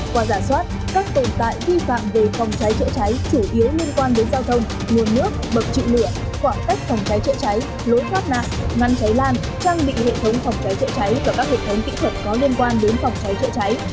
qua giả soát các tồn tại vi phạm về phòng cháy chữa cháy chủ yếu liên quan đến giao thông nguồn nước bậc trụ lửa khoảng cách phòng cháy chữa cháy lối thoát nạn ngăn cháy lan trang bị hệ thống phòng cháy chữa cháy và các hệ thống kỹ thuật có liên quan đến phòng cháy chữa cháy